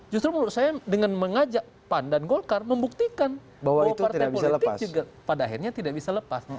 justru menurut saya dengan mengajak pan dan golkar membuktikan bahwa partai politik juga pada akhirnya tidak bisa lepas